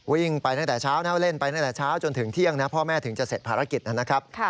วิ่งไปตั้งแต่เช้านะเล่นไปตั้งแต่เช้าจนถึงเที่ยงนะพ่อแม่ถึงจะเสร็จภารกิจนะครับ